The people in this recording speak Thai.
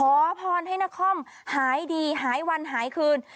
ขอพรให้นครหายดีหายวันหายคืน